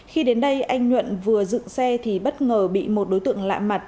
khi đến đây anh nhuận vừa dựng xe thì bất ngờ bị một đối tượng lạ mặt